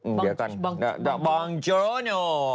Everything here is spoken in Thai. เดี๋ยวก่อนบังจิโรโน